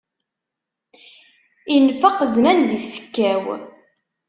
Infeq zzman di tfekka-w.